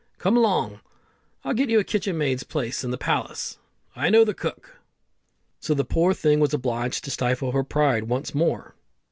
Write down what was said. Come along, I'll get you a kitchen maid's place in the palace. I know the cook." So the poor thing was obliged to stifle her pride once more.